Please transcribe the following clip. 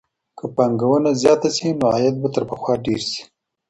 که پانګونه زياته سي نو عايد به تر پخوا ډېر سي.